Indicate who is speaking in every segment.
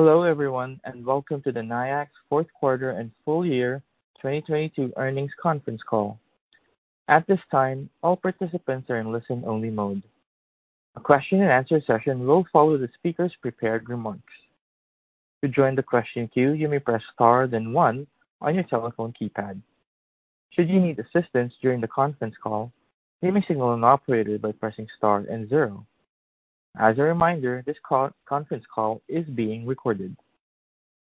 Speaker 1: Hello everyone, welcome to the Nayax fourth quarter and full year 2022 earnings conference call. At this time, all participants are in listen-only mode. A question and answer session will follow the speaker's prepared remarks. To join the question queue, you may press star then one on your telephone keypad. Should you need assistance during the conference call, you may signal an operator by pressing star and zero. As a reminder, this conference call is being recorded.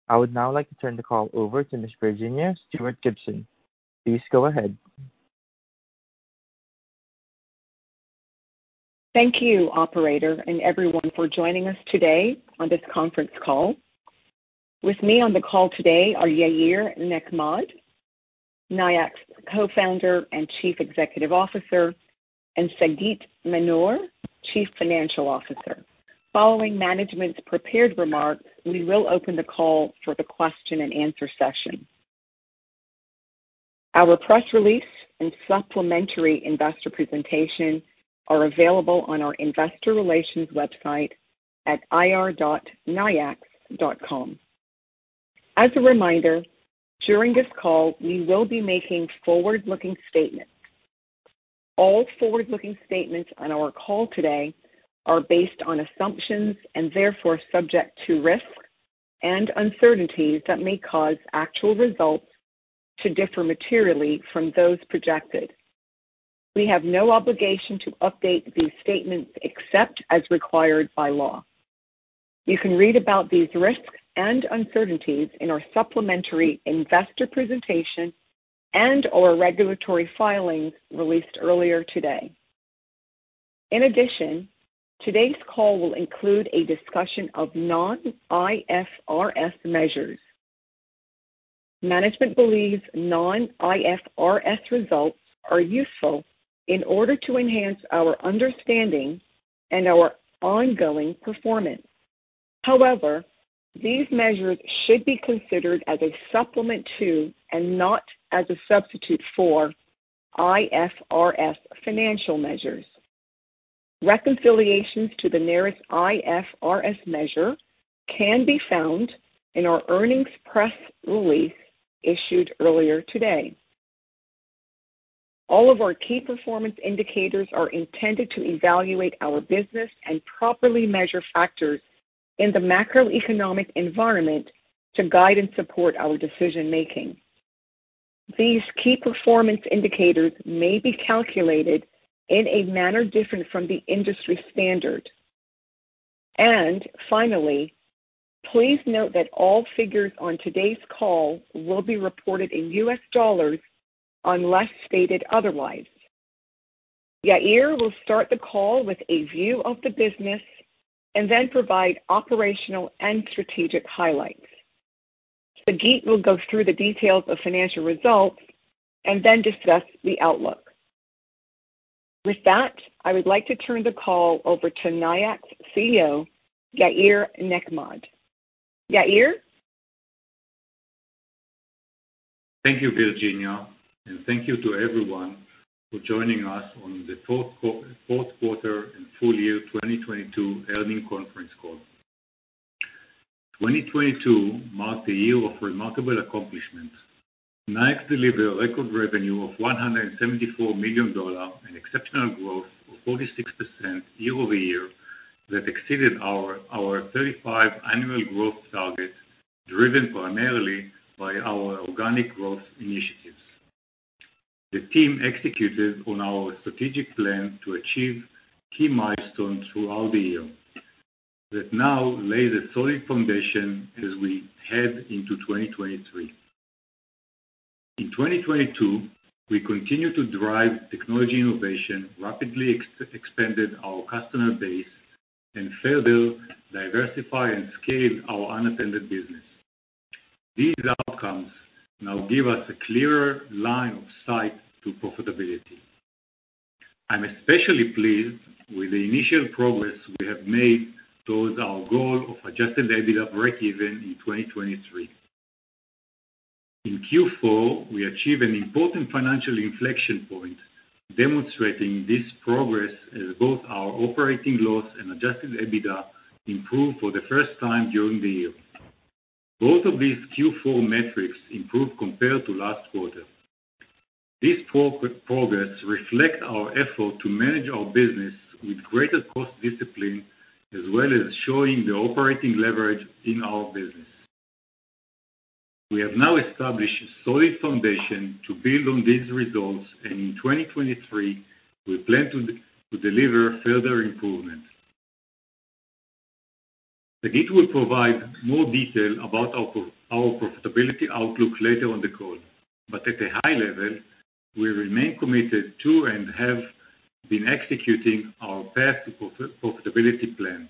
Speaker 1: I would now like to turn the call over to Ms. Virginea Stuart Gibson. Please go ahead.
Speaker 2: Thank you, operator, everyone for joining us today on this conference call. With me on the call today are Yair Nechmad, Nayax Co-founder and Chief Executive Officer, and Sagit Manor, Chief Financial Officer. Following management's prepared remarks, we will open the call for the question and answer session. Our press release and supplementary investor presentation are available on our investor relations website at ir.nayax.com. As a reminder, during this call, we will be making forward-looking statements. All forward-looking statements on our call today are based on assumptions and therefore subject to risks and uncertainties that may cause actual results to differ materially from those projected. We have no obligation to update these statements except as required by law. You can read about these risks and uncertainties in our supplementary investor presentation and/or regulatory filings released earlier today. In addition, today's call will include a discussion of non-IFRS measures. Management believes non-IFRS results are useful in order to enhance our understanding and our ongoing performance. However, these measures should be considered as a supplement to and not as a substitute for IFRS financial measures. Reconciliations to the nearest IFRS measure can be found in our earnings press release issued earlier today. All of our key performance indicators are intended to evaluate our business and properly measure factors in the macroeconomic environment to guide and support our decision-making. These key performance indicators may be calculated in a manner different from the industry standard. Finally, please note that all figures on today's call will be reported in US dollars unless stated otherwise. Yair will start the call with a view of the business and then provide operational and strategic highlights. Sagit will go through the details of financial results and then discuss the outlook. With that, I would like to turn the call over to Nayax CEO, Yair Nechmad. Yair?
Speaker 3: Thank you, Virginia, thank you to everyone for joining us on the fourth quarter and full year 2022 earnings conference call. 2022 marked a year of remarkable accomplishments. Nayax delivered a record revenue of $174 million, an exceptional growth of 46% year-over-year that exceeded our 35% annual growth target, driven primarily by our organic growth initiatives. The team executed on our strategic plan to achieve key milestones throughout the year that now lay the solid foundation as we head into 2023. In 2022, we continued to drive technology innovation, rapidly expanded our customer base and further diversify and scale our unattended business. These outcomes now give us a clearer line of sight to profitability. I'm especially pleased with the initial progress we have made towards our goal of adjusted EBITDA breakeven in 2023. In Q4, we achieved an important financial inflection point, demonstrating this progress as both our operating loss and adjusted EBITDA improved for the first time during the year. Both of these Q4 metrics improved compared to last quarter. This progress reflects our effort to manage our business with greater cost discipline, as well as showing the operating leverage in our business. We have now established a solid foundation to build on these results, and in 2023, we plan to deliver further improvements. Sagit will provide more detail about our profitability outlook later on the call. At a high level, we remain committed to and have been executing our path to profitability plan.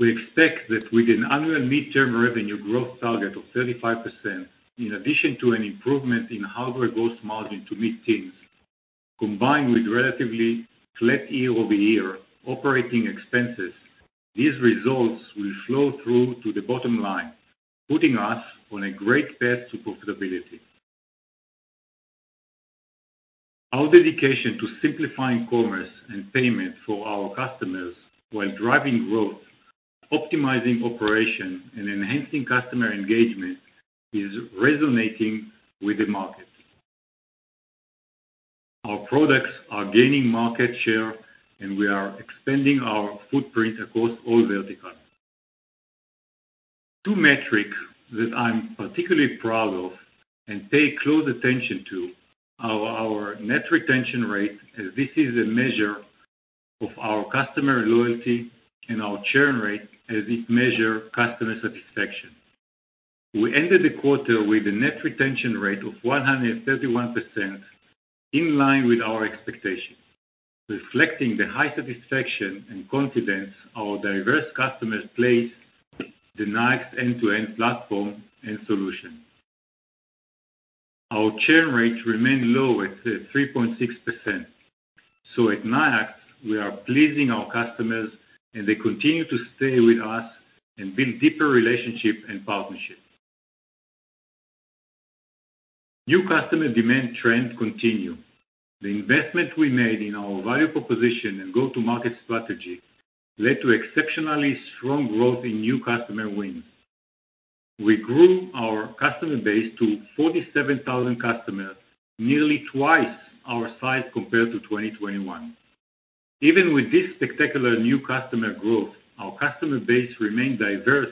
Speaker 3: We expect that with an annual midterm revenue growth target of 35%, in addition to an improvement in hardware gross margin to mid-teens, combined with relatively flat year-over-year operating expenses, these results will flow through to the bottom line, putting us on a great path to profitability. Our dedication to simplifying commerce and payment for our customers while driving growth, optimizing operation, and enhancing customer engagement is resonating with the market. Our products are gaining market share, and we are expanding our footprint across all verticals. Two metrics that I'm particularly proud of and pay close attention to are our net retention rate, as this is a measure of our customer loyalty, and our churn rate, as it measure customer satisfaction. We ended the quarter with a net retention rate of 131%, in line with our expectations, reflecting the high satisfaction and confidence our diverse customers place the Nayax end-to-end platform and solution. Our churn rate remained low at 3.6%. At Nayax, we are pleasing our customers, and they continue to stay with us and build deeper relationship and partnership. New customer demand trends continue. The investment we made in our value proposition and go-to-market strategy led to exceptionally strong growth in new customer wins. We grew our customer base to 47,000 customers, nearly twice our size compared to 2021. Even with this spectacular new customer growth, our customer base remained diverse,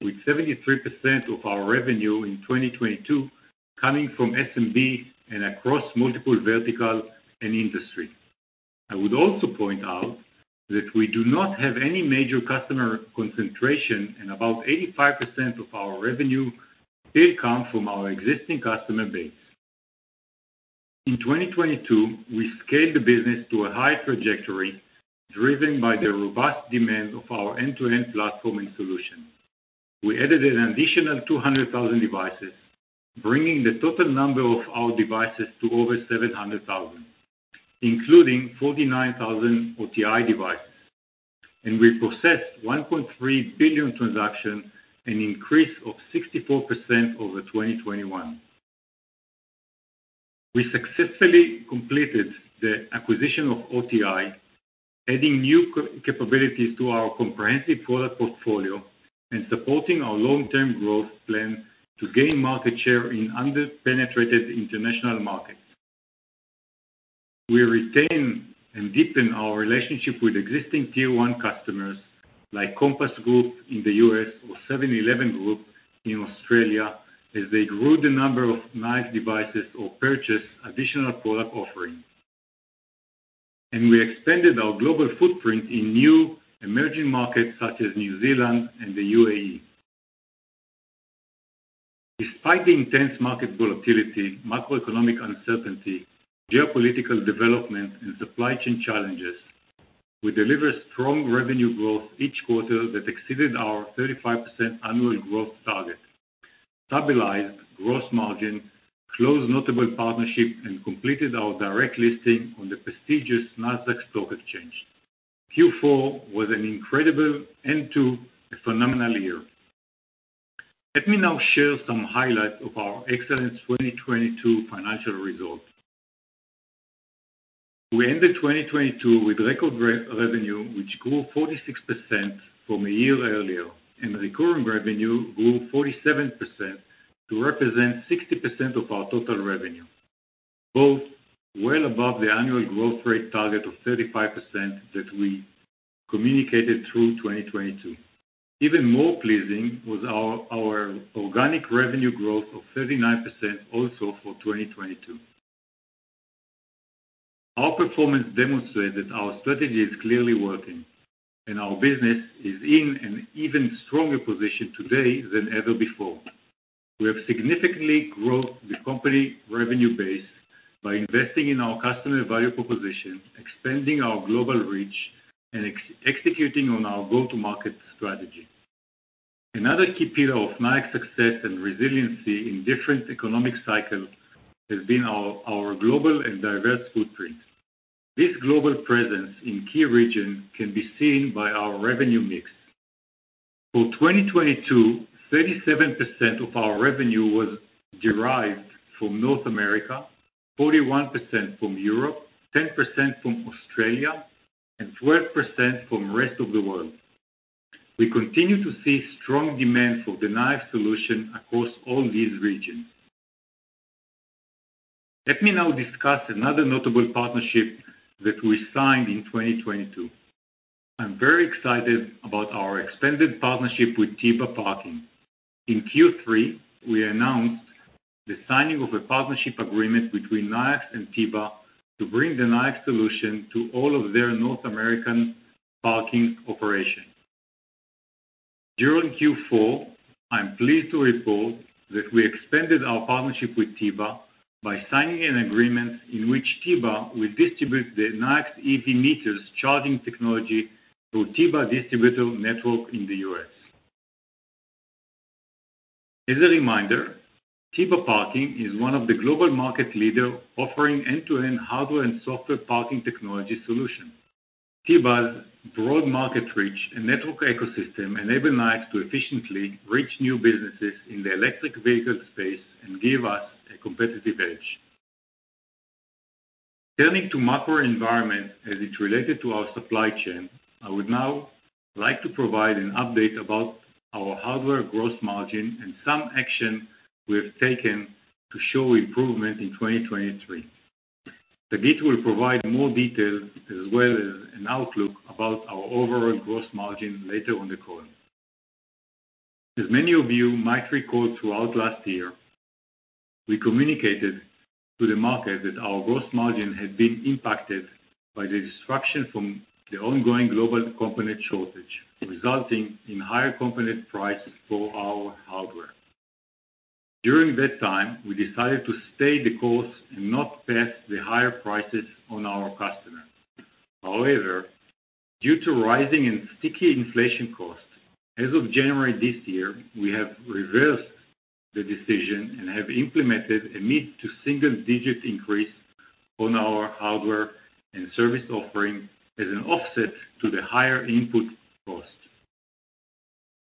Speaker 3: with 73% of our revenue in 2022 coming from SMB and across multiple vertical and industry. I would also point out that we do not have any major customer concentration, and about 85% of our revenue did come from our existing customer base. In 2022, we scaled the business to a high trajectory driven by the robust demand of our end-to-end platform and solution. We added an additional 200,000 devices, bringing the total number of our devices to over 700,000, including 49,000 OTI devices. We processed 1.3 billion transactions, an increase of 64% over 2021. We successfully completed the acquisition of OTI, adding new capabilities to our comprehensive product portfolio and supporting our long-term growth plan to gain market share in under-penetrated international markets. We retain and deepen our relationship with existing Tier 1 customers like Compass Group in the U.S. or 7-Eleven Group in Australia as they grew the number of Nayax devices or purchase additional product offerings. We expanded our global footprint in new emerging markets such as New Zealand and the U.A.E. Despite the intense market volatility, macroeconomic uncertainty, geopolitical development, and supply chain challenges, we delivered strong revenue growth each quarter that exceeded our 35% annual growth target, stabilized gross margin, closed notable partnership, and completed our direct listing on the prestigious Nasdaq Stock Market. Q4 was an incredible end to a phenomenal year. Let me now share some highlights of our excellent 2022 financial results. We ended 2022 with record revenue, which grew 46% from a year earlier, and recurring revenue grew 47% to represent 60% of our total revenue, both well above the annual growth rate target of 35% that we communicated through 2022. Even more pleasing was our organic revenue growth of 39% also for 2022. Our performance demonstrated our strategy is clearly working, and our business is in an even stronger position today than ever before. We have significantly growth the company revenue base by investing in our customer value proposition, expanding our global reach, and executing on our go-to-market strategy. Another key pillar of Nayax success and resiliency in different economic cycles has been our global and diverse footprint. This global presence in key regions can be seen by our revenue mix. For 2022, 37% of our revenue was derived from North America, 41% from Europe, 10% from Australia, and 12% from rest of the world. We continue to see strong demand for the Nayax solution across all these regions. Let me now discuss another notable partnership that we signed in 2022. I'm very excited about our expanded partnership with TIBA Parking. In Q3, we announced the signing of a partnership agreement between Nayax and TIBA to bring the Nayax solution to all of their North American parking operations. During Q4, I'm pleased to report that we expanded our partnership with TIBA by signing an agreement in which TIBA will distribute the Nayax EV Meter charging technology through TIBA distributor network in the U.S. As a reminder, TIBA Parking is one of the global market leader offering end-to-end hardware and software parking technology solution. TIBA's broad market reach and network ecosystem enable Nayax to efficiently reach new businesses in the electric vehicle space and give us a competitive edge. Turning to macro environment as it related to our supply chain, I would now like to provide an update about our hardware gross margin and some action we have taken to show improvement in 2023. Sagit will provide more details as well as an outlook about our overall gross margin later on the call. As many of you might recall throughout last year, we communicated to the market that our gross margin had been impacted by the disruption from the ongoing global component shortage, resulting in higher component prices for our hardware. During that time, we decided to stay the course and not pass the higher prices on our customers. However, due to rising and sticky inflation costs, as of January this year, we have reversed the decision and have implemented a mid to single-digit increase on our hardware and service offering as an offset to the higher input costs.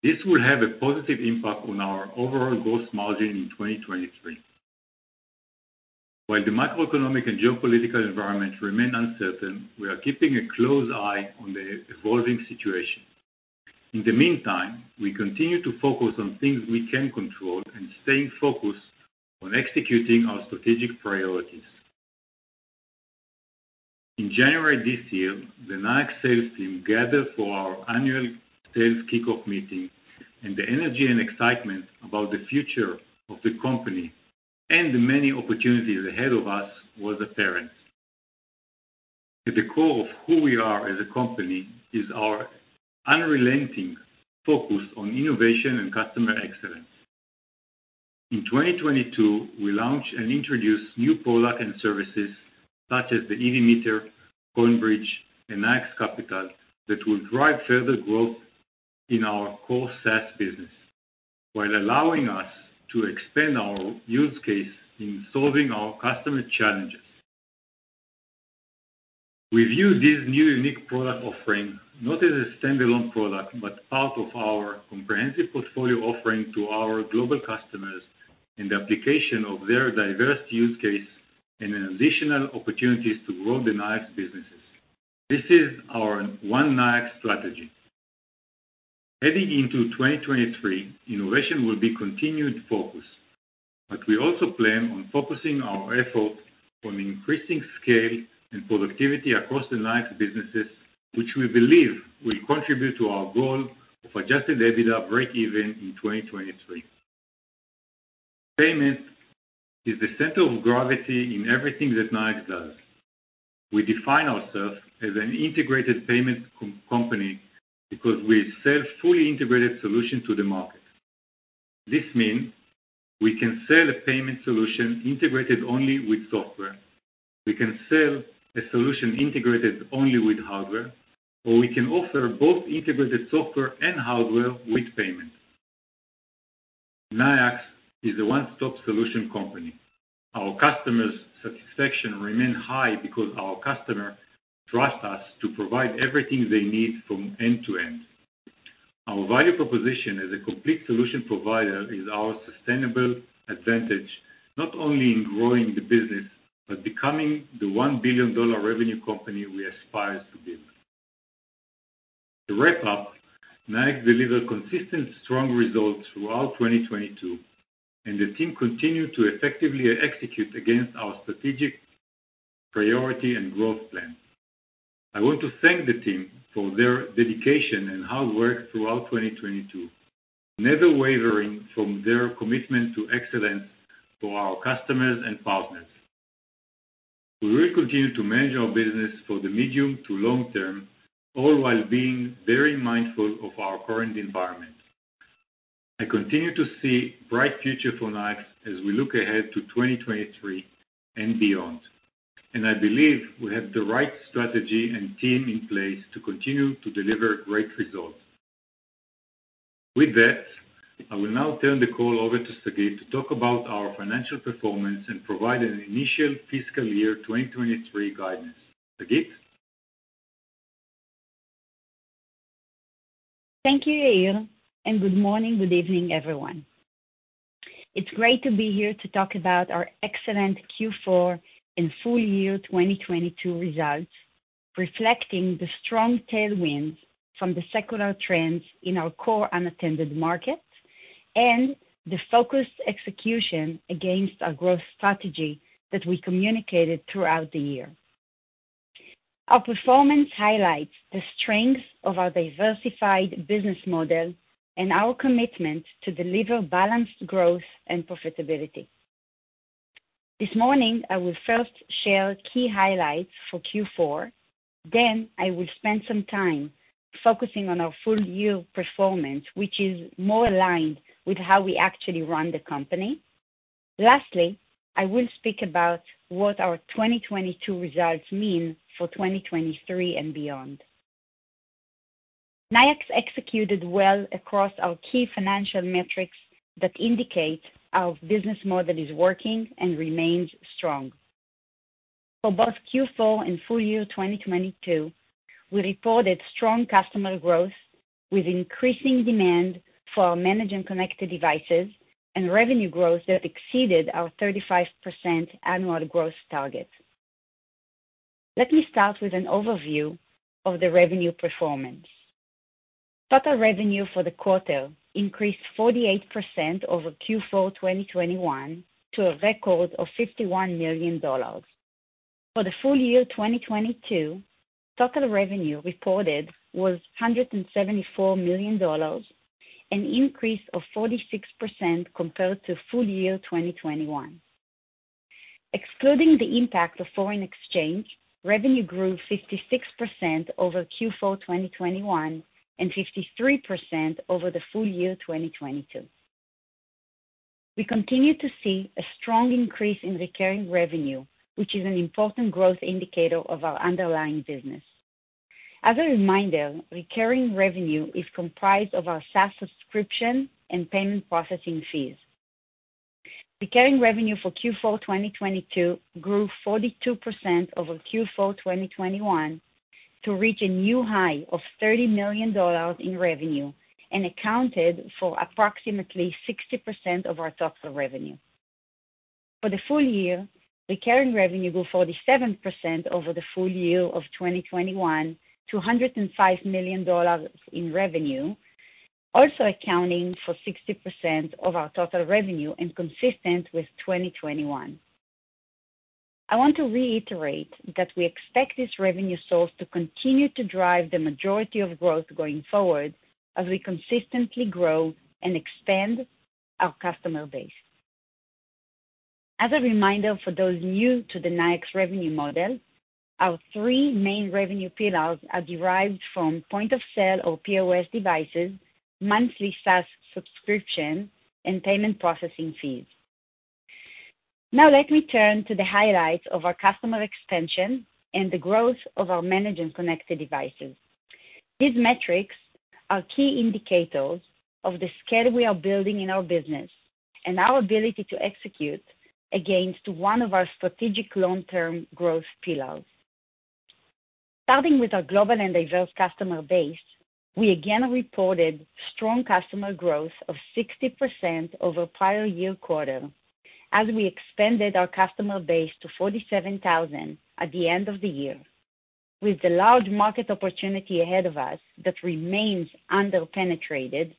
Speaker 3: This will have a positive impact on our overall gross margin in 2023. While the macroeconomic and geopolitical environment remain uncertain, we are keeping a close eye on the evolving situation. In the meantime, we continue to focus on things we can control and staying focused on executing our strategic priorities. In January this year, the Nayax sales team gathered for our annual sales kickoff meeting. The energy and excitement about the future of the company and the many opportunities ahead of us was apparent. At the core of who we are as a company is our unrelenting focus on innovation and customer excellence. In 2022, we launched and introduced new product and services such as the EV Meter, CoinBridge, and Nayax Capital that will drive further growth in our core SaaS business while allowing us to expand our use-case in solving our customer challenges. We view this new unique product offering not as a standalone product, but part of our comprehensive portfolio offering to our global customers in the application of their diverse use case and additional opportunities to grow the Nayax businesses. This is our One Nayax strategy. Heading into 2023, innovation will be continued focus, but we also plan on focusing our effort on increasing scale and productivity across the Nayax businesses, which we believe will contribute to our goal of adjusted EBITDA breakeven in 2023. Payments is the center of gravity in everything that Nayax does. We define ourselves as an integrated payment company because we sell fully integrated solution to the market. This mean we can sell a payment solution integrated only with software, we can sell a solution integrated only with hardware, or we can offer both integrated software and hardware with payment. Nayax is a one-stop solution company. Our customers' satisfaction remain high because our customer trust us to provide everything they need from end to end. Our value proposition as a complete solution provider is our sustainable advantage, not only in growing the business, but becoming the $1 billion revenue company we aspire to build. To wrap up, Nayax delivered consistent strong results throughout 2022, and the team continued to effectively execute against our strategic priority and growth plan. I want to thank the team for their dedication and hard work throughout 2022, never wavering from their commitment to excellence for our customers and partners. We will continue to manage our business for the medium to long term, all while being very mindful of our current environment. I continue to see bright future for Nayax as we look ahead to 2023 and beyond, and I believe we have the right strategy and team in place to continue to deliver great results. With that, I will now turn the call over to Sagit to talk about our financial performance and provide an initial fiscal year 2023 guidance. Sagit?
Speaker 4: Thank you, Yair. Good morning, good evening, everyone. It's great to be here to talk about our excellent Q4 and full year 2022 results, reflecting the strong tailwinds from the secular trends in our core unattended markets and the focused execution against our growth strategy that we communicated throughout the year. Our performance highlights the strength of our diversified business model and our commitment to deliver balanced growth and profitability. This morning, I will first share key highlights for Q4. I will spend some time focusing on our full year performance, which is more aligned with how we actually run the company. Lastly, I will speak about what our 2022 results mean for 2023 and beyond. Nayax executed well across our key financial metrics that indicate our business model is working and remains strong. For both Q4 and full year 2022, we reported strong customer growth with increasing demand for our managed and connected devices and revenue growth that exceeded our 35% annual growth target. Let me start with an overview of the revenue performance. Total revenue for the quarter increased 48% over Q4 2021 to a record of $51 million. For the full year 2022, total revenue reported was $174 million, an increase of 46% compared to full year 2021. Excluding the impact of foreign exchange, revenue grew 56% over Q4 2021 and 53% over the full year 2022. We continue to see a strong increase in recurring revenue, which is an important growth indicator of our underlying business. As a reminder, recurring revenue is comprised of our SaaS subscription and payment processing fees. Recurring revenue for Q4 2022 grew 42% over Q4 2021 to reach a new high of $30 million in revenue and accounted for approximately 60% of our total revenue. For the full year, recurring revenue grew 47% over the full year of 2021 to $105 million in revenue, also accounting for 60% of our total revenue and consistent with 2021. I want to reiterate that we expect this revenue source to continue to drive the majority of growth going forward as we consistently grow and expand our customer base. As a reminder for those new to the Nayax revenue model, our three main revenue pillars are derived from point of sale or POS devices, monthly SaaS subscription, and payment processing fees. Now, let me turn to the highlights of our customer expansion and the growth of our managed and connected devices. These metrics are key indicators of the scale we are building in our business and our ability to execute against one of our strategic long-term growth pillars. Starting with our global and diverse customer base, we again reported strong customer growth of 60% over prior year quarter as we expanded our customer base to 47,000 at the end of the year. With the large market opportunity ahead of us that remains under-penetrated,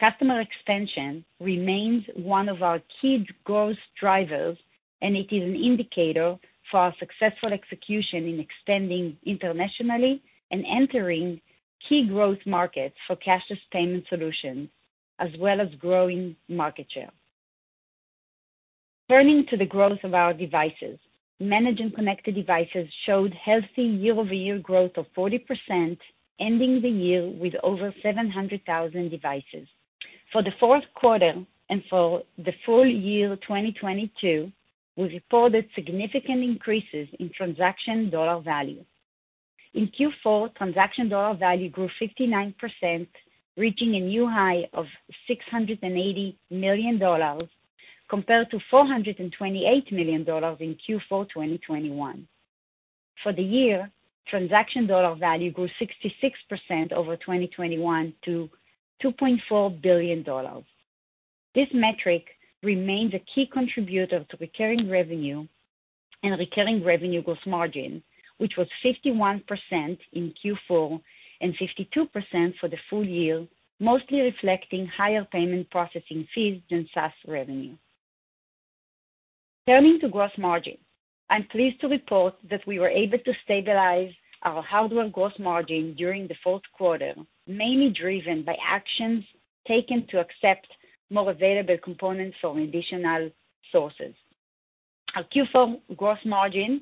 Speaker 4: customer expansion remains one of our key growth drivers, and it is an indicator for our successful execution in extending internationally and entering key growth markets for cashless payment solutions, as well as growing market share. Turning to the growth of our devices. Managed and connected devices showed healthy year-over-year growth of 40%, ending the year with over 700,000 devices. For the fourth quarter and for the full year 2022, we reported significant increases in transaction dollar value. In Q4, transaction dollar value grew 59%, reaching a new high of $680 million compared to $428 million in Q4 2021. For the year, transaction dollar value grew 66% over 2021 to $2.4 billion. This metric remains a key contributor to recurring revenue and recurring revenue gross margin, which was 51% in Q4 and 52% for the full year, mostly reflecting higher payment processing fees than SaaS revenue. Turning to gross margin, I'm pleased to report that we were able to stabilize our hardware gross margin during the fourth quarter, mainly driven by actions taken to accept more available components from additional sources. Our Q4 gross margin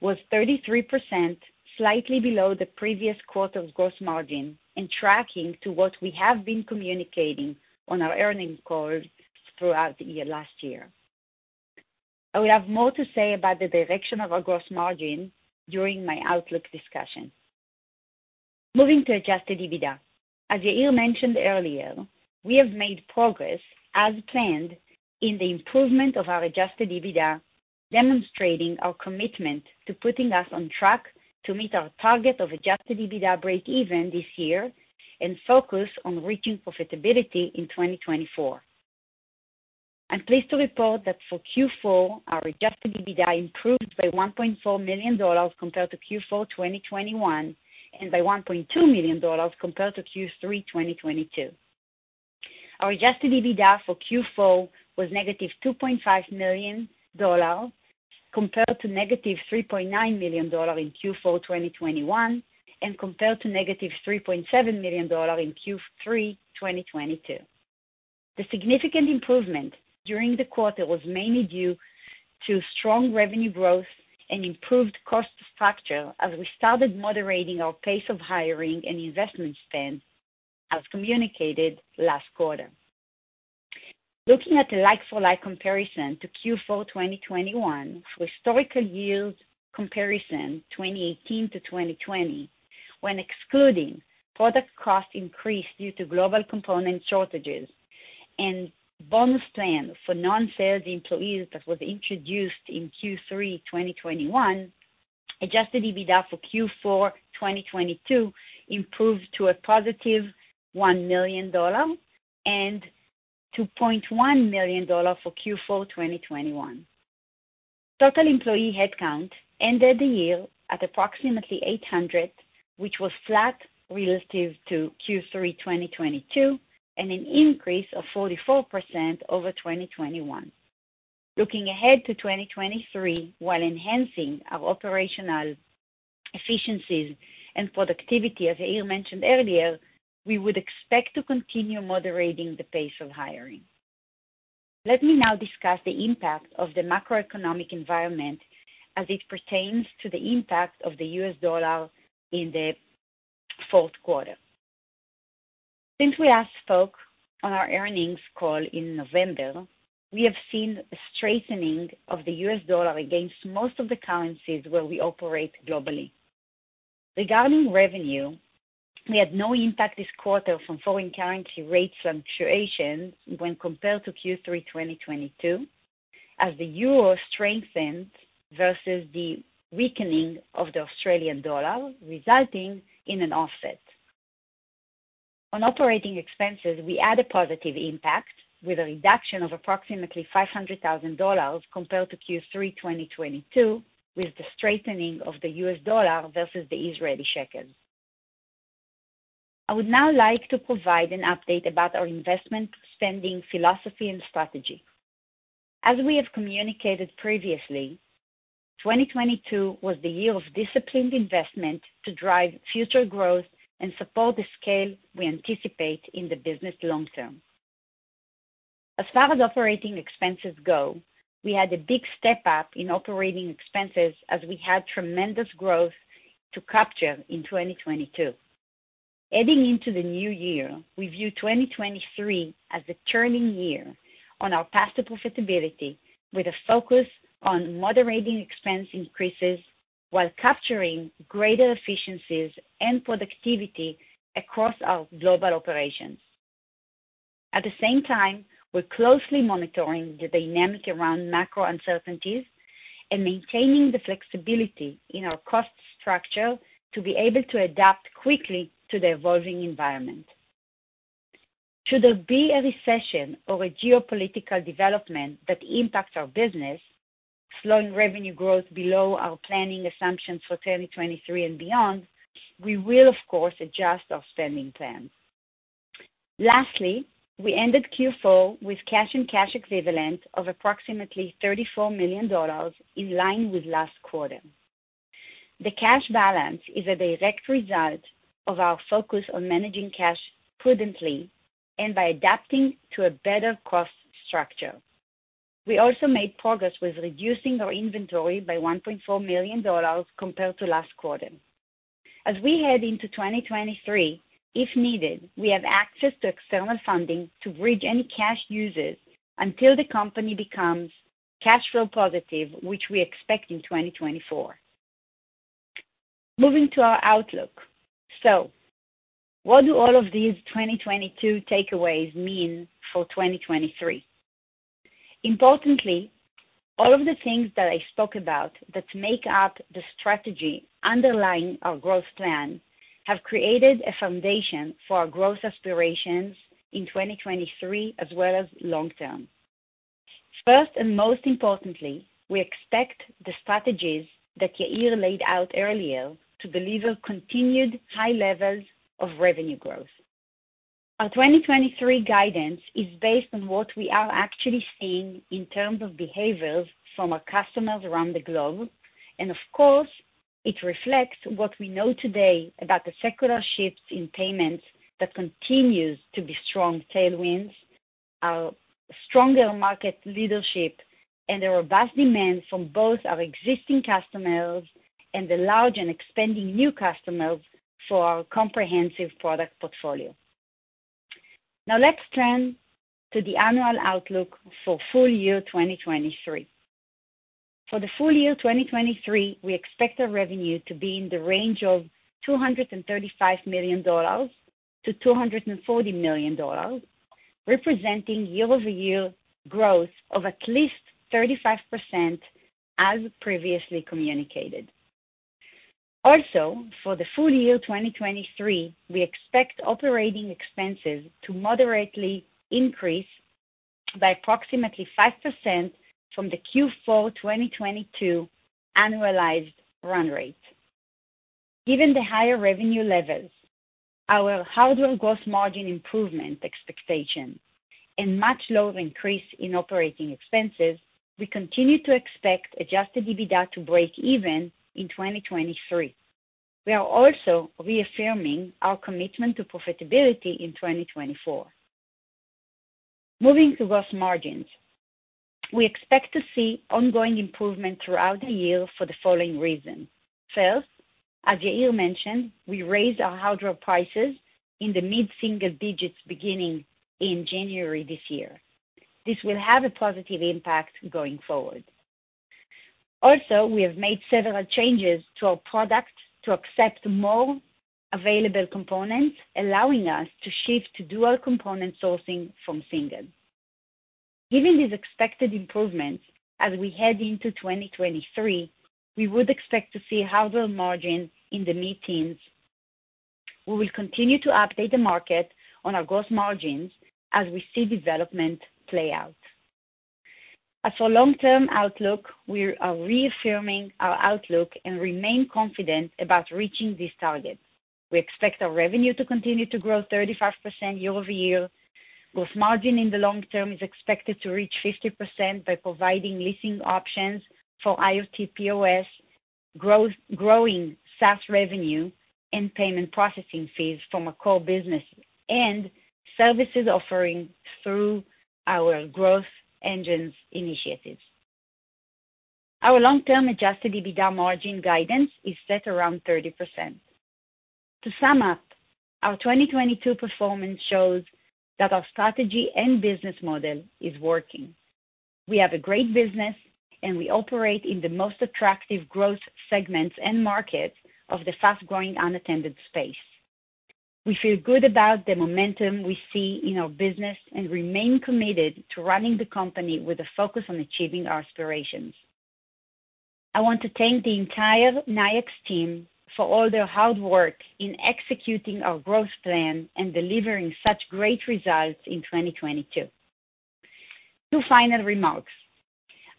Speaker 4: was 33%, slightly below the previous quarter's gross margin, and tracking to what we have been communicating on our earnings calls throughout the year last year. I will have more to say about the direction of our gross margin during my outlook discussion. Moving to adjusted EBITDA. As Yair mentioned earlier, we have made progress as planned in the improvement of our adjusted EBITDA, demonstrating our commitment to putting us on track to meet our target of adjusted EBITDA breakeven this year and focus on reaching profitability in 2024. I'm pleased to report that for Q4, our adjusted EBITDA improved by $1.4 million compared to Q4 2021, and by $1.2 million compared to Q3 2022. Our adjusted EBITDA for Q4 was -$2.5 million compared to -$3.9 million in Q4 2021, and compared to -$3.7 million in Q3 2022. The significant improvement during the quarter was mainly due to strong revenue growth and improved cost structure as we started moderating our pace of hiring and investment spend as communicated last quarter. Looking at the like-for-like comparison to Q4 2021 for historical years comparison 2018 to 2020, when excluding product cost increase due to global component shortages and bonus plan for non-sales employees that was introduced in Q3 2021, adjusted EBITDA for Q4 2022 improved to a +$1 million and $2.1 million for Q4 2021. Total employee headcount ended the year at approximately 800, which was flat relative to Q3 2022, and an increase of 44% over 2021. Looking ahead to 2023, while enhancing our operational efficiencies and productivity, as Yair mentioned earlier, we would expect to continue moderating the pace of hiring. Let me now discuss the impact of the macroeconomic environment as it pertains to the impact of the US dollar in the fourth quarter. Since we last spoke on our earnings call in November, we have seen a strengthening of the US dollar against most of the currencies where we operate globally. Regarding revenue, we had no impact this quarter from foreign currency rate fluctuations when compared to Q3 2022, as the euro strengthened versus the weakening of the Australian dollar, resulting in an offset. On operating expenses, we had a positive impact with a reduction of approximately $500,000 compared to Q3 2022, with the strengthening of the US dollar versus the Israeli shekel. I would now like to provide an update about our investment spending philosophy and strategy. As we have communicated previously, 2022 was the year of disciplined investment to drive future growth and support the scale we anticipate in the business long term. As far as operating expenses go, we had a big step up in operating expenses as we had tremendous growth to capture in 2022. Heading into the new year, we view 2023 as a turning year on our path to profitability, with a focus on moderating expense increases while capturing greater efficiencies and productivity across our global operations. At the same time, we're closely monitoring the dynamic around macro uncertainties and maintaining the flexibility in our cost structure to be able to adapt quickly to the evolving environment. Should there be a recession or a geopolitical development that impacts our business, slowing revenue growth below our planning assumptions for 2023 and beyond, we will of course, adjust our spending plans. Lastly, we ended Q4 with cash and cash equivalents of approximately $34 million, in line with last quarter. The cash balance is a direct result of our focus on managing cash prudently and by adapting to a better cost structure. We also made progress with reducing our inventory by $1.4 million compared to last quarter. As we head into 2023, if needed, we have access to external funding to bridge any cash uses until the company becomes cash flow positive, which we expect in 2024. Moving to our outlook. What do all of these 2022 takeaways mean for 2023? Importantly, all of the things that I spoke about that make up the strategy underlying our growth plan have created a foundation for our growth aspirations in 2023 as well as long term. First, most importantly, we expect the strategies that Yair laid out earlier to deliver continued high levels of revenue growth. Our 2023 guidance is based on what we are actually seeing in terms of behaviors from our customers around the globe. Of course, it reflects what we know today about the secular shifts in payments that continues to be strong tailwinds, our stronger market leadership, and the robust demand from both our existing customers and the large and expanding new customers for our comprehensive product portfolio. Now let's turn to the annual outlook for full year 2023. For the full year 2023, we expect our revenue to be in the range of $235 million-$240 million, representing year-over-year growth of at least 35%, as previously communicated. For the full year 2023, we expect operating expenses to moderately increase by approximately 5% from the Q4 2022 annualized run rate. Given the higher revenue levels, our hardware gross margin improvement expectation, and much lower increase in operating expenses, we continue to expect adjusted EBITDA to break even in 2023. We are also reaffirming our commitment to profitability in 2024. Moving to gross margins. We expect to see ongoing improvement throughout the year for the following reason. As Yair mentioned, we raised our hardware prices in the mid-single digits beginning in January this year. This will have a positive impact going forward. We have made several changes to our products to accept more available components, allowing us to shift to dual component sourcing from single. Given these expected improvements as we head into 2023, we would expect to see hardware margin in the mid-teens. We will continue to update the market on our gross margins as we see development play out. As for long-term outlook, we are reaffirming our outlook and remain confident about reaching this target. We expect our revenue to continue to grow 35% year-over-year. Gross margin in the long term is expected to reach 50% by providing leasing options for IoT POS, growing SaaS revenue and payment processing fees from our core business, and services offering through our growth engines initiatives. Our long-term adjusted EBITDA margin guidance is set around 30%. To sum up, our 2022 performance shows that our strategy and business model is working. We have a great business, and we operate in the most attractive growth segments and markets of the fast-growing unattended space. We feel good about the momentum we see in our business and remain committed to running the company with a focus on achieving our aspirations. I want to thank the entire Nayax team for all their hard work in executing our growth plan and delivering such great results in 2022. Two final remarks.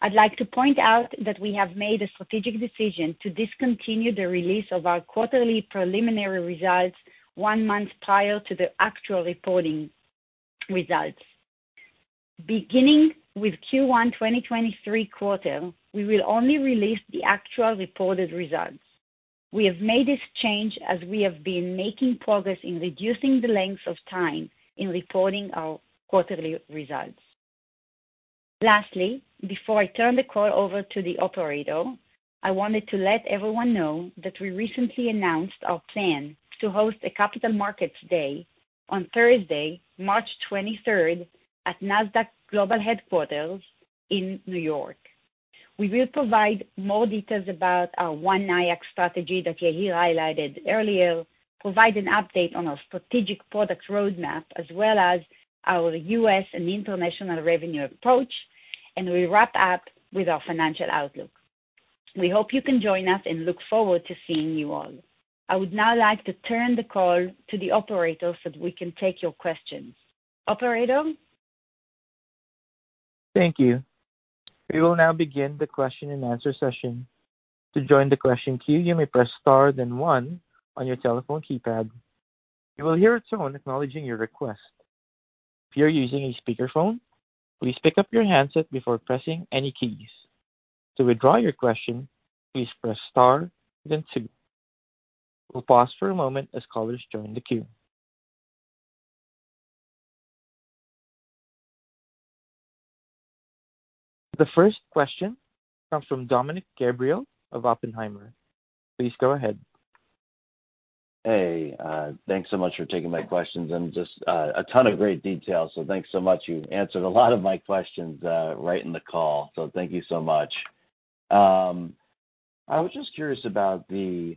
Speaker 4: I'd like to point out that we have made a strategic decision to discontinue the release of our quarterly preliminary results one month prior to the actual reporting results. Beginning with Q1 2023 quarter, we will only release the actual reported results. We have made this change as we have been making progress in reducing the length of time in reporting our quarterly results. Lastly, before I turn the call over to the operator, I wanted to let everyone know that we recently announced our plan to host a Capital Markets Day on Thursday, March 23rd, at Nasdaq Global Headquarters in New York. We will provide more details about our One Nayax strategy that Yair highlighted earlier, provide an update on our strategic product roadmap, as well as our U.S. and international revenue approach, and we wrap up with our financial outlook. We hope you can join us and look forward to seeing you all. I would now like to turn the call to the operator, so we can take your questions. Operator?
Speaker 1: Thank you. We will now begin the question and answer session. To join the question queue, you may press star then one on your telephone keypad. You will hear a tone acknowledging your request. If you're using a speakerphone, please pick up your handset before pressing any keys. To withdraw your question, please press star then two. We'll pause for a moment as callers join the queue. The first question comes from Dominick Gabriele of Oppenheimer. Please go ahead.
Speaker 5: Hey, thanks so much for taking my questions, just a ton of great details, so thanks so much. You answered a lot of my questions right in the call, so thank you so much. I was just curious about the,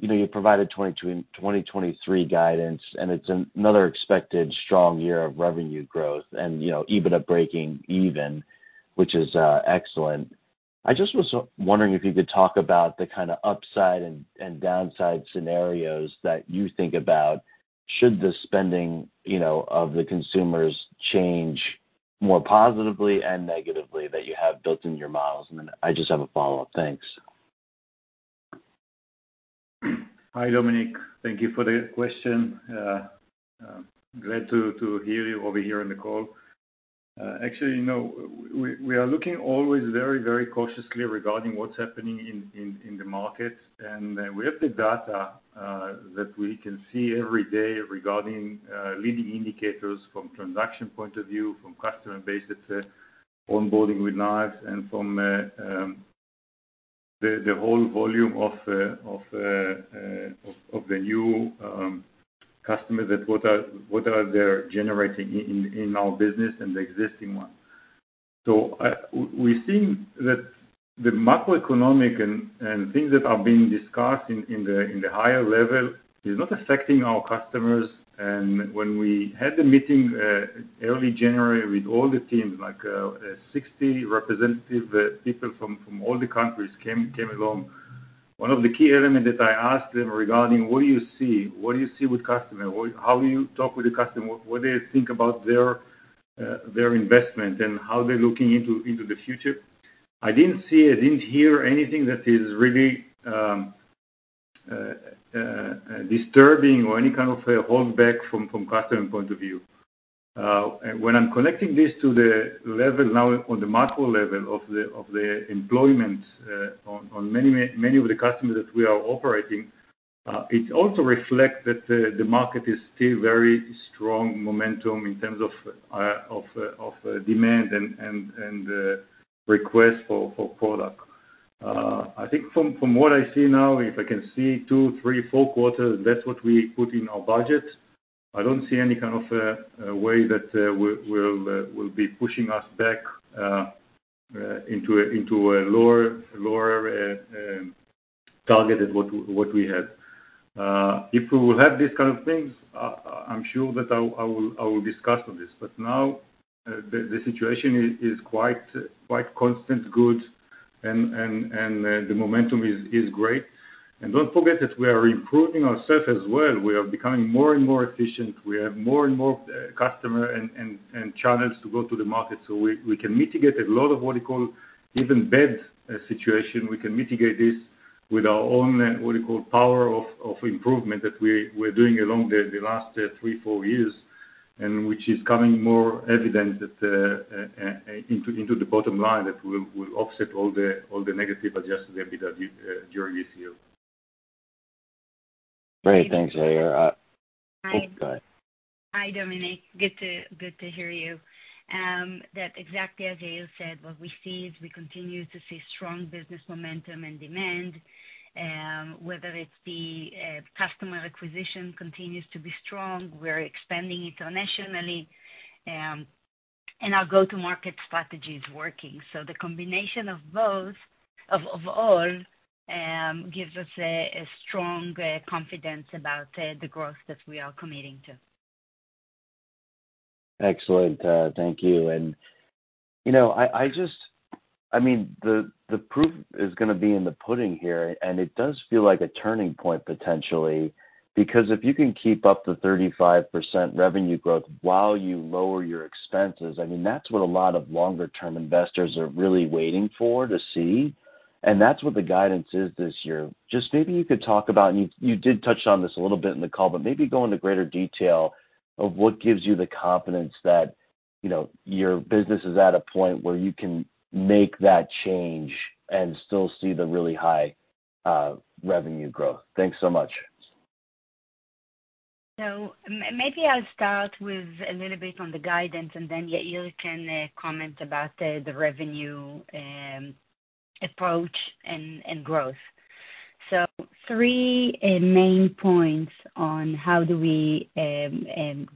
Speaker 5: you know, you provided 2023 guidance, and it's another expected strong year of revenue growth and, you know, EBITDA breaking even, which is excellent. I just was wondering if you could talk about the kinda upside and downside scenarios that you think about should the spending, you know, of the consumers change more positively and negatively that you have built in your models. I just have a follow-up. Thanks.
Speaker 3: Hi, Dominick. Thank you for the question. Glad to hear you over here on the call. Actually, you know, we are looking always very cautiously regarding what's happening in the market. We have the data that we can see every day regarding leading indicators from transaction point of view, from customer base that are onboarding with Nayax, and from the whole volume of the new customers that what are they generating in our business and the existing one. We think that the macroeconomic and things that are being discussed in the higher level is not affecting our customers. When we had the meeting, early January with all the teams, like, 60 representative people from all the countries came along, one of the key element that I asked them regarding what do you see? What do you see with customer? How do you talk with the customer? What do you think about their investment and how they're looking into the future? I didn't see, I didn't hear anything that is really disturbing or any kind of a holdback from customer point of view. When I'm connecting this to the level now on the macro level of the employment, on many of the customers that we are operating, it also reflects that the market is still very strong momentum in terms of demand and request for product. I think from what I see now, if I can see two, three, four quarters, that's what we put in our budget. I don't see any kind of a way that we'll be pushing us back into a lower target of what we had. If we will have these kind of things, I'm sure that I will discuss on this, but now, the situation is quite constant, good, and the momentum is great. Don't forget that we are improving ourselves as well. We are becoming more and more efficient. We have more and more customer and channels to go to the market, so we can mitigate a lot of what you call even bad situation. We can mitigate this with our own, what you call, power of improvement that we're doing along the last three, four years, and which is becoming more evident that, into the bottom line, that will offset all the negative adjusted EBITDA during this year.
Speaker 5: Great. Thanks, Yair.
Speaker 4: Hi.
Speaker 5: Oh, go ahead.
Speaker 4: Hi, Dominick. Good to hear you. That exactly as Yair said, what we see is we continue to see strong business momentum and demand, whether it's the customer acquisition continues to be strong, we're expanding internationally, and our go-to-market strategy is working. The combination of all gives us a strong confidence about the growth that we are committing to.
Speaker 5: Excellent. Thank you. You know, I mean, the proof is gonna be in the pudding here, and it does feel like a turning point potentially, because if you can keep up the 35% revenue growth while you lower your expenses, I mean, that's what a lot of longer-term investors are really waiting for to see, and that's what the guidance is this year. Maybe you could talk about, and you did touch on this a little bit in the call, but maybe go into greater detail of what gives you the confidence that, you know, your business is at a point where you can make that change and still see the really high revenue growth. Thanks so much.
Speaker 4: Maybe I'll start with a little bit on the guidance, and then Yair can comment about the revenue approach and growth. Three main points on how do we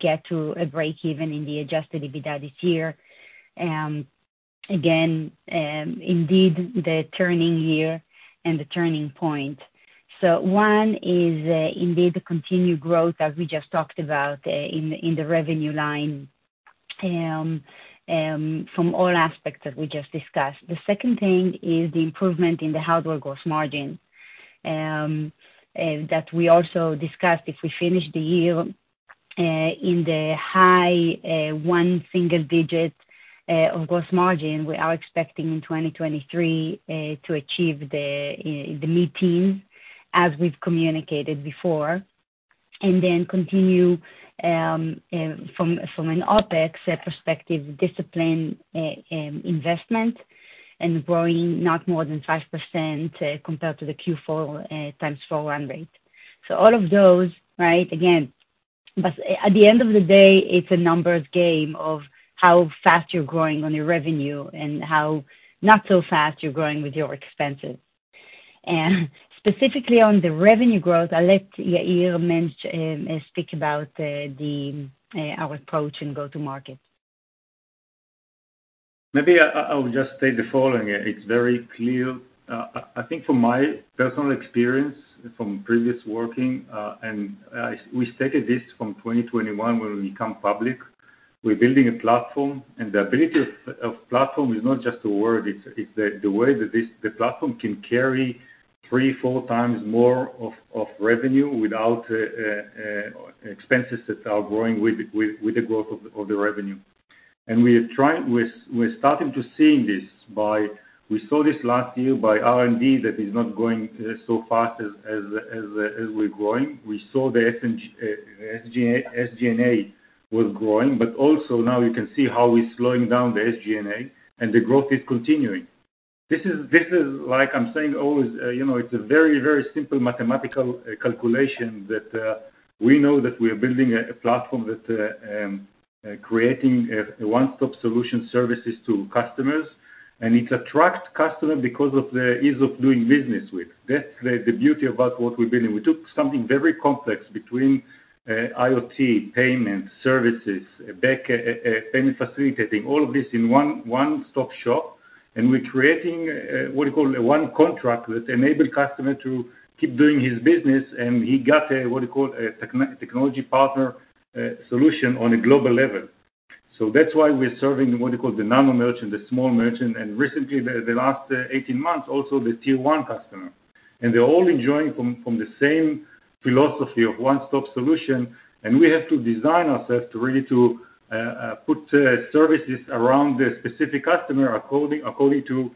Speaker 4: get to a break even in the adjusted EBITDA this year. Again, indeed the turning year and the turning point. One is indeed the continued growth, as we just talked about, in the revenue line, from all aspects that we just discussed. The second thing is the improvement in the hardware gross margin that we also discussed. If we finish the year in the high one single digit of gross margin, we are expecting in 2023 to achieve the mid-teen, as we've communicated before. Continue from an OpEx perspective, discipline, investment and growing not more than 5% compared to the Q4 x4 run rate. All of those, right? Again, at the end of the day, it's a numbers game of how fast you're growing on your revenue and how not so fast you're growing with your expenses. Specifically on the revenue growth, I'll let Yair mention, speak about the our approach in go-to-market.
Speaker 3: Maybe I will just state the following. It's very clear, I think from my personal experience from previous working, and we stated this from 2021 when we become public, we're building a platform, and the ability of platform is not just a word, it's the way that this platform can carry 3x, 4x more of revenue without expenses that are growing with the growth of the revenue. We're starting to seeing this by, we saw this last year by R&D that is not growing so fast as we're growing. We saw the SG&A was growing, but also now you can see how we're slowing down the SG&A and the growth is continuing. This is like I'm saying always, you know, it's a very, very simple mathematical calculation that we know that we are building a platform that's creating a one-stop solution services to customers. It attract customer because of the ease of doing business with. That's the beauty about what we're building. We took something very complex between IoT, payment, services, bank payment facilities, and all of this in one-stop shop. We're creating, what you call a one contract that enable customer to keep doing his business, and he got a, what you call, a technology partner solution on a global level. That's why we're serving what you call the nano merchant, the small merchant, and recently, the last 18 months, also the Tier 1 customer. They're all enjoying from the same philosophy of one-stop solution. We have to design ourselves really to put services around the specific customer according to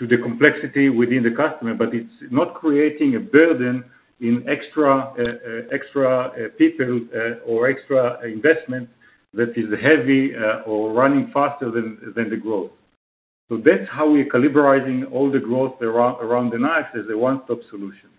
Speaker 3: the complexity within the customer. It's not creating a burden in extra people or extra investment that is heavy or running faster than the growth. That's how we're calibrating all the growth around the Nayax as a one-stop solution.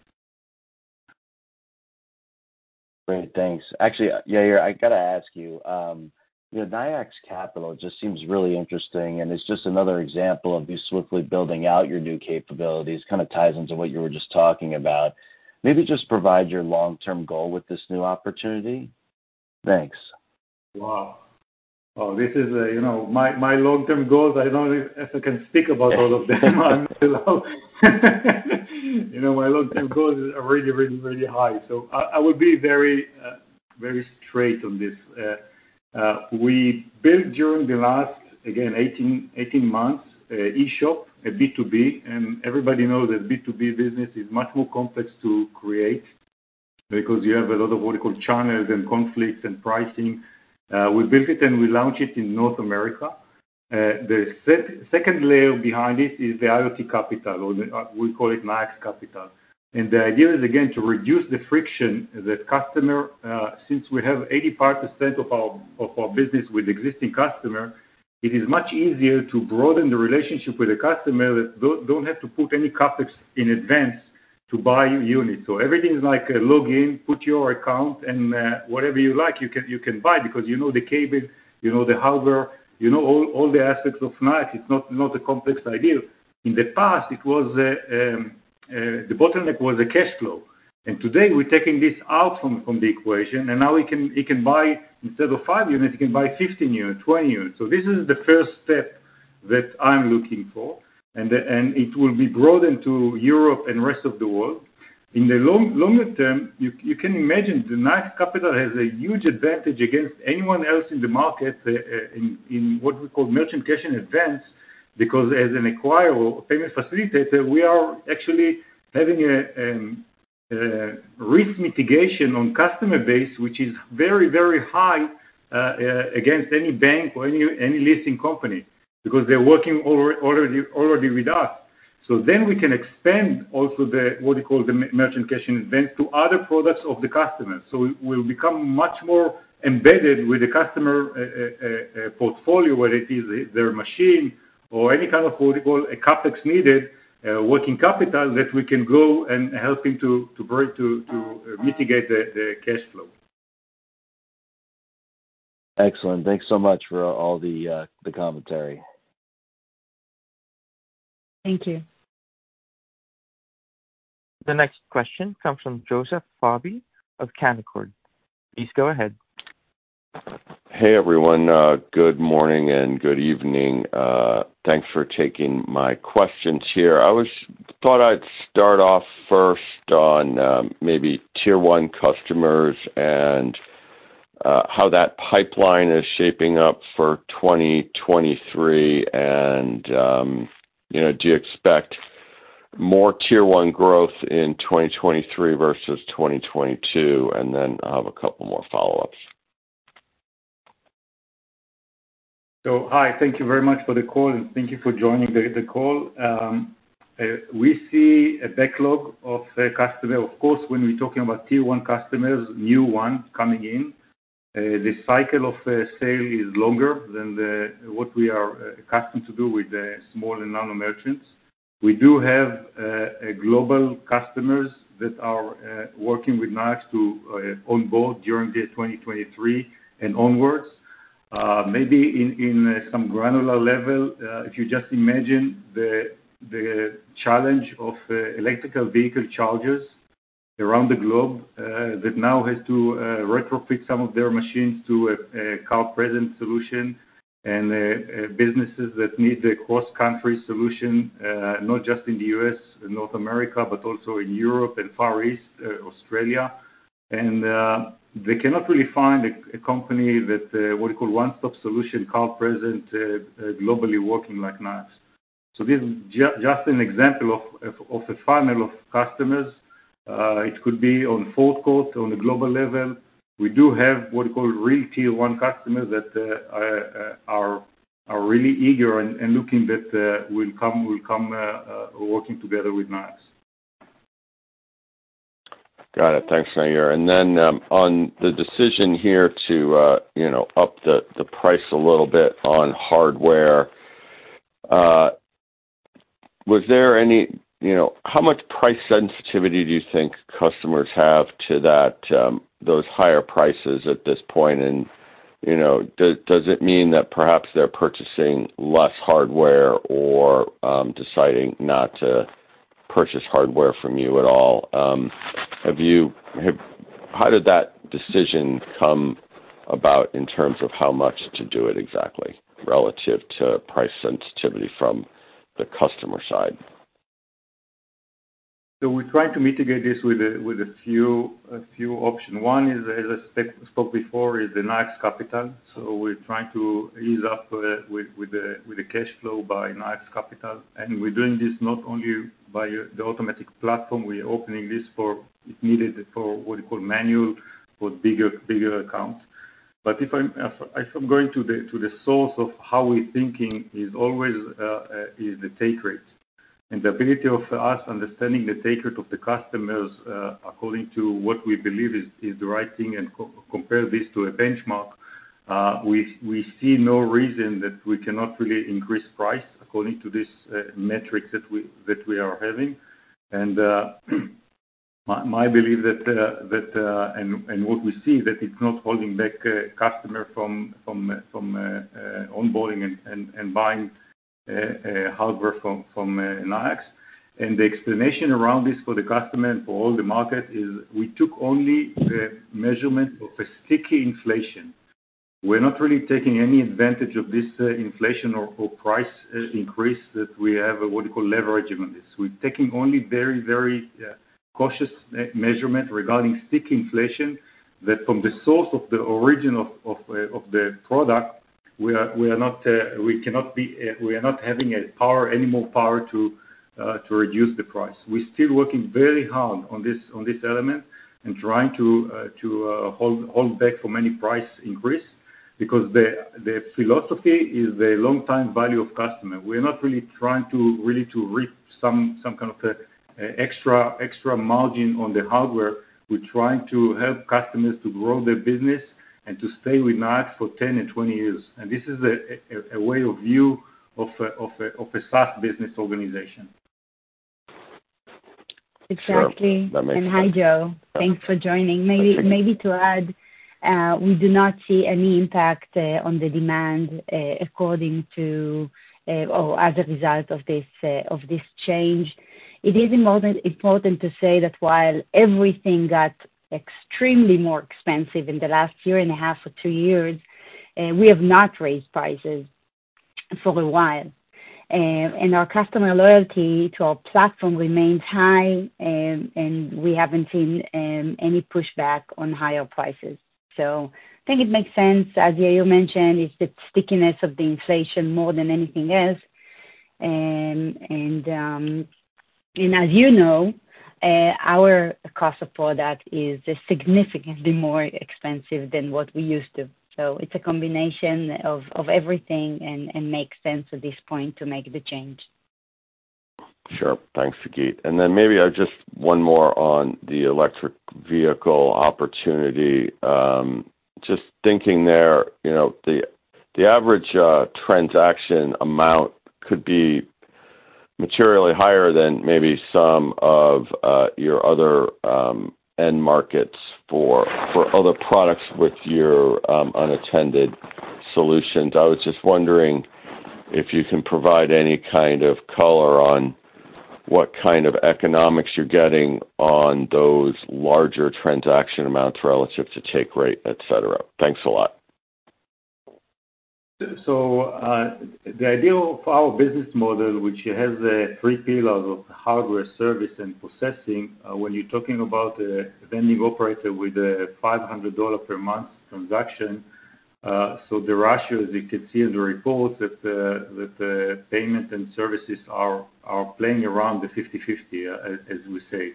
Speaker 5: Great, thanks. Actually, Yair, I gotta ask you know, Nayax Capital just seems really interesting, and it's just another example of you swiftly building out your new capabilities, kind of ties into what you were just talking about. Maybe just provide your long-term goal with this new opportunity? Thanks.
Speaker 3: Wow. Oh, this is, you know, my long-term goals, I don't know if I can speak about all of them on this. You know, my long-term goals are really high. I will be very straight on this. We built during the last, again, 18 months, eShop, a B2B, everybody knows that B2B business is much more complex to create because you have a lot of what you call channels and conflicts and pricing. We built it, and we launched it in North America. The second layer behind it is the IoT Capital, or we call it Nayax Capital. The idea is, again, to reduce the friction that customer, since we have 85% of our, of our business with existing customer, it is much easier to broaden the relationship with a customer that don't have to put any CapEx in advance to buy units. Everything is like a login, put your account, whatever you like, you can buy because you know the cable, you know the hardware, you know all the aspects of Nayax. It's not a complex idea. In the past, it was the bottleneck was the cash flow. Today, we're taking this out from the equation, and now we can, you can buy instead of 5 units, you can buy 15 units, 20 units. This is the first step that I'm looking for, and it will be broadened to Europe and rest of the world. In the longer term, you can imagine Nayax Capital has a huge advantage against anyone else in the market, in what we call merchant cash advance because as an acquirer or payment facilitator, we are actually having a risk mitigation on customer base, which is very, very high against any bank or any leasing company because they're working already with us. We can expand also the what you call the merchant cash advance to other products of the customer. We'll become much more embedded with the customer portfolio, whether it is their machine or any kind of what you call a CapEx needed, working capital that we can go and helping to bring to mitigate the cash flow.
Speaker 5: Excellent. Thanks so much for all the commentary.
Speaker 4: Thank you.
Speaker 1: The next question comes from Joseph Vafi of Canaccord Genuity. Please go ahead.
Speaker 6: Hey, everyone. Good morning and good evening. Thanks for taking my questions here. Thought I'd start off first on maybe Tier 1 customers and how that pipeline is shaping up for 2023 and, you know, do you expect more Tier 1 growth in 2023 versus 2022? Then I'll have a couple more follow-ups.
Speaker 3: Hi. Thank you very much for the call, and thank you for joining the call. We see a backlog of customer. Of course, when we're talking about Tier 1 customers, new ones coming in, the cycle of sale is longer than what we are accustomed to do with the small and nano merchants. We do have a global customers that are working with Nayax to onboard during 2023 and onwards. Maybe in some granular level, if you just imagine the challenge of electrical vehicle chargers around the globe, that now has to retrofit some of their machines to a card present solution and businesses that need a cross-country solution, not just in the U.S., in North America, but also in Europe and Far East, Australia. They cannot really find a company that what you call one-stop solution card present globally working like Nayax. This is just an example of a funnel of customers. It could be on fourth quarter on a global level. We do have what you call real Tier 1 customers that are really eager and looking that will come working together with Nayax.
Speaker 6: Got it. Thanks, Yair. On the decision here to, you know, up the price a little bit on hardware, was there any How much price sensitivity do you think customers have to that, those higher prices at this point? You know, does it mean that perhaps they're purchasing less hardware or deciding not to purchase hardware from you at all? How did that decision come about in terms of how much to do it exactly relative to price sensitivity from the customer side?
Speaker 3: We're trying to mitigate this with a few option. One is, as I spoke before, is the Nayax Capital. We're trying to ease up with the cash flow by Nayax Capital. We're doing this not only by the automatic platform. We are opening this for, if needed, for what you call manual for bigger accounts. If I'm going to the source of how we're thinking is always is the take rate. The ability of us understanding the take rate of the customers, according to what we believe is the right thing and compare this to a benchmark, we see no reason that we cannot really increase price according to this metrics that we are having. My belief that what we see that it's not holding back customer from onboarding and buying hardware from Nayax. The explanation around this for the customer and for all the market is we took only the measurement of a sticky inflation. We're not really taking any advantage of this inflation or price increase that we have, what you call leverage on this. We're taking only very cautious measurement regarding sticky inflation, that from the source of the origin of the product, we are not having any more power to reduce the price. We're still working very hard on this, on this element and trying to hold back from any price increase because the philosophy is the long time value of customer. We're not really trying to reap some kind of extra margin on the hardware. We're trying to help customers to grow their business and to stay with Nayax for 10 and 20 years. This is a way of view of a SaaS business organization.
Speaker 4: Exactly.
Speaker 6: That makes sense.
Speaker 4: Hi, Joe. Thanks for joining. Maybe to add, we do not see any impact on the demand according to or as a result of this change. It is important to say that while everything got extremely more expensive in the last year and a half or two years, we have not raised prices for a while. Our customer loyalty to our platform remains high and we haven't seen any pushback on higher prices. I think it makes sense. As Yair mentioned, it's the stickiness of the inflation more than anything else. As you know, our cost of product is significantly more expensive than what we used to. It's a combination of everything and makes sense at this point to make the change.
Speaker 6: Sure. Thanks, Sagit. Maybe, just one more on the electric vehicle opportunity. Just thinking there, you know, the average, transaction amount could be materially higher than maybe some of, your other, end markets for other products with your, unattended solutions. I was just wondering if you can provide any kind of color on what kind of economics you're getting on those larger transaction amounts relative to take rate, et cetera? Thanks a lot.
Speaker 3: The idea of our business model, which has three pillars of hardware, service, and processing, when you're talking about a vending operator with a $500 per month transaction, the ratio, as you can see in the report, that payment and services are playing around the 50/50, as we say.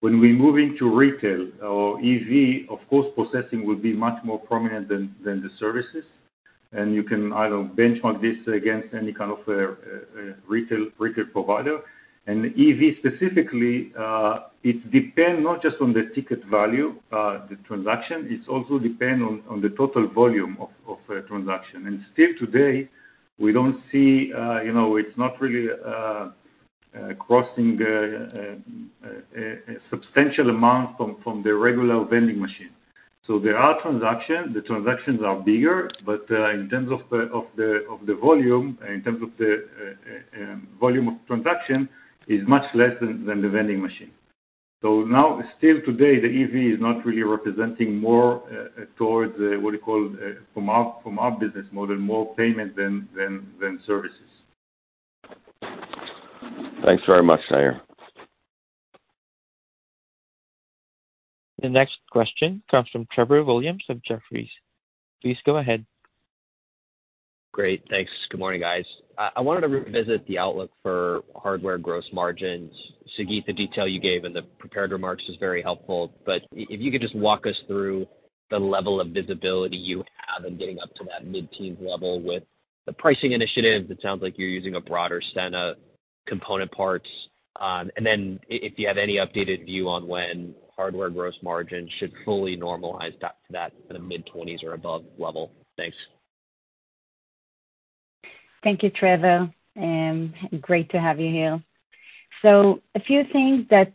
Speaker 3: When we move into retail or EV, of course, processing will be much more prominent than the services. You can either benchmark this against any kind of retail provider. EV specifically, it depend not just on the ticket value, the transaction, it also depend on the total volume of transaction. Still today, we don't see, you know, it's not really crossing a substantial amount from the regular vending machine. There are transaction, the transactions are bigger, but in terms of the volume, in terms of the volume of transaction is much less than the vending machine. Now still today, the EV is not really representing more towards what you call from our business model, more payment than services.
Speaker 6: Thanks very much, Yair.
Speaker 1: The next question comes from Trevor Williams of Jefferies. Please go ahead.
Speaker 7: Great. Thanks. Good morning, guys. I wanted to revisit the outlook for hardware gross margins. Sagit, the detail you gave in the prepared remarks is very helpful, but if you could just walk us through the level of visibility you have in getting up to that mid-teens level with the pricing initiatives. It sounds like you're using a broader set of component parts. Then if you have any updated view on when hardware gross margins should fully normalize back to that the mid-20s or above level. Thanks.
Speaker 4: Thank you, Trevor, and great to have you here. A few things that,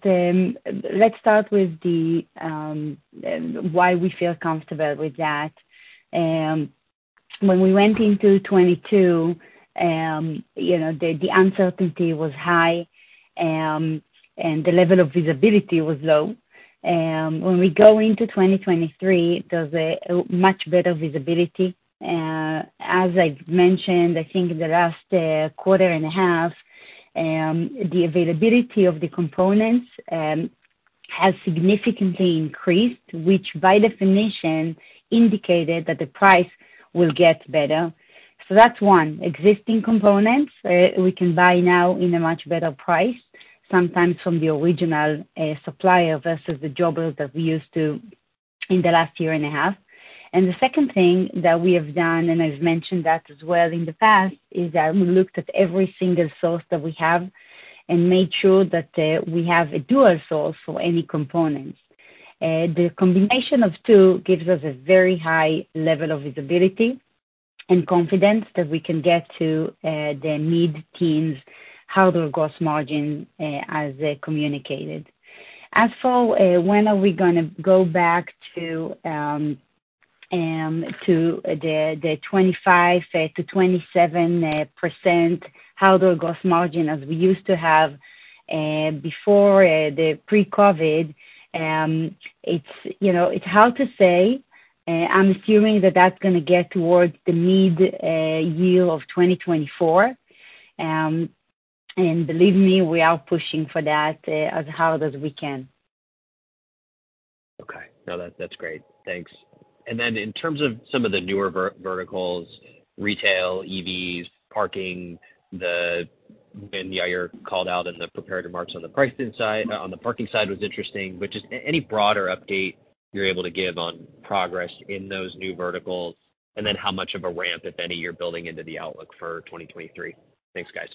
Speaker 4: let's start with the why we feel comfortable with that. When we went into 2022, you know, the uncertainty was high, and the level of visibility was low. When we go into 2023, there's a much better visibility. As I've mentioned, I think in the last quarter and a half, the availability of the components has significantly increased, which by definition indicated that the price will get better. That's one. Existing components, we can buy now in a much better price, sometimes from the original supplier versus the jobber in the last year and a half. The second thing that we have done, and I've mentioned that as well in the past, is that we looked at every single source that we have and made sure that we have a dual source for any components. The combination of two gives us a very high level of visibility and confidence that we can get to the mid-teens hardware gross margin as communicated. As for when are we gonna go back to the 25%-27% hardware gross margin as we used to have before the pre-COVID, it's, you know, it's hard to say. I'm assuming that that's gonna get towards the mid-year of 2024. Believe me, we are pushing for that as hard as we can.
Speaker 7: Okay. No, that's great. Thanks. In terms of some of the newer verticals, retail, EVs, parking, and, yeah, you called out in the prepared remarks on the pricing side, on the parking side was interesting. Just any broader update you're able to give on progress in those new verticals, and then how much of a ramp, if any, you're building into the outlook for 2023. Thanks, guys.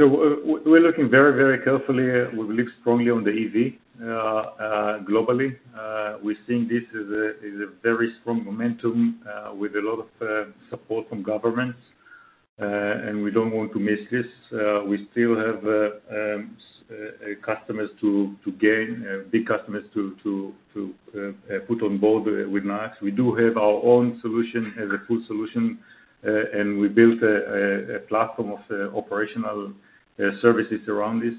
Speaker 3: We're looking very, very carefully. We believe strongly on the EV globally. We're seeing this as a very strong momentum with a lot of support from governments, and we don't want to miss this. We still have customers to gain, big customers to put on board with NACS. We do have our own solution as a full solution. We built a platform of operational services around this.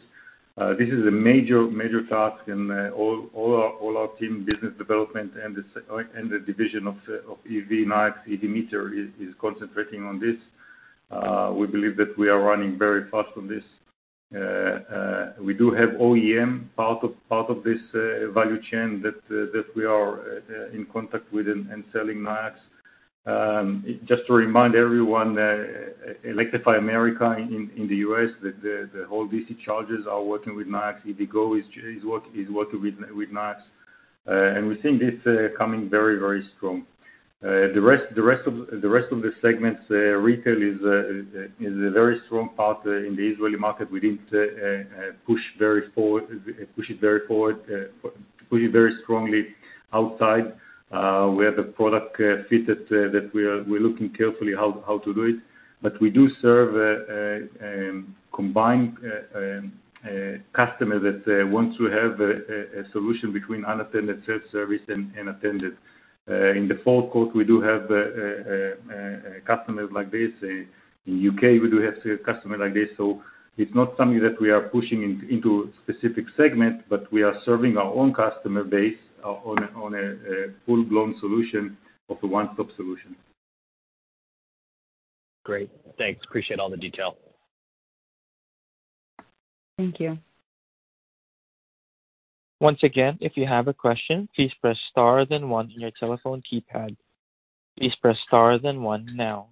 Speaker 3: This is a major task, and all our team business development and the division of EV NACS, EV Meter is concentrating on this. We believe that we are running very fast on this. We do have OEM part of, part of this value chain that we are in contact with and selling Nayax. Just to remind everyone, Electrify America in the U.S., the whole DC chargers are working with NACS. EVgo is working with NACS. We think it's coming very, very strong. The rest of the segments, retail is a very strong part in the Israeli market. We didn't push it very forward, push it very strongly outside. We have a product fitted that we're looking carefully how to do it. We do serve a combined customer that wants to have a solution between unattended self-service and attended. In the forecourts, we do have a customer like this. In U.K., we do have customer like this. It's not something that we are pushing into specific segment, but we are serving our own customer base on a full-blown solution of a one-stop solution.
Speaker 7: Great. Thanks. Appreciate all the detail.
Speaker 4: Thank you.
Speaker 1: Once again, if you have a question, please press star then one on your telephone keypad. Please press star then one now.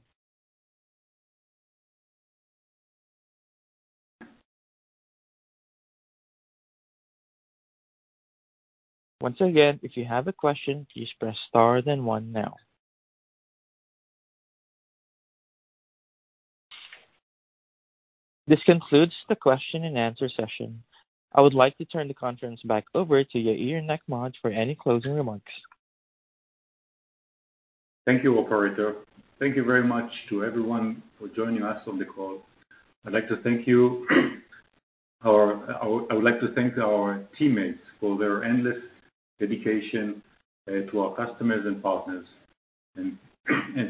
Speaker 1: Once again, if you have a question, please press star then one now. This concludes the question and answer session. I would like to turn the conference back over to Yair Nechmad for any closing remarks.
Speaker 3: Thank you, operator. Thank you very much to everyone for joining us on the call. I would like to thank our teammates for their endless dedication to our customers and partners and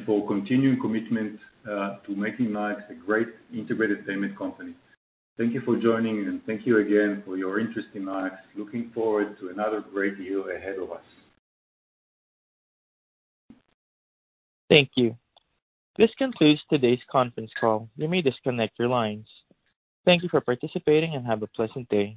Speaker 3: for continuing commitment to making Nayax a great integrated payment company. Thank you for joining. Thank you again for your interest in Nayax. Looking forward to another great year ahead of us.
Speaker 1: Thank you. This concludes today's conference call. You may disconnect your lines. Thank you for participating and have a pleasant day.